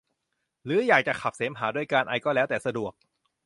หรืออยากจะขับเสมหะด้วยการไอก็แล้วแต่สะดวก